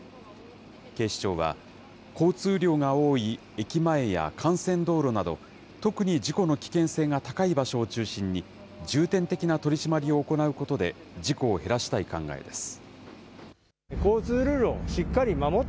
警視庁は、交通量が多い駅前や幹線道路など、特に事故の危険性が高い場所を中心に、重点的な取締りを行うことで、事故を減らしたい考えです。